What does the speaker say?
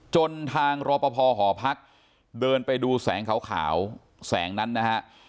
จนทางรอปภหอพักเดินไปดูแสงขาวแสงนั้นนะฮะ